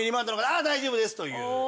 「ああ大丈夫です」という。